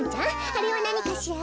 あれはなにかしら？